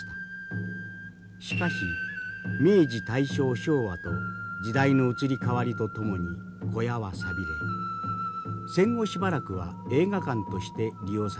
しかし明治大正昭和と時代の移り変わりとともに小屋は寂れ戦後しばらくは映画館として利用されました。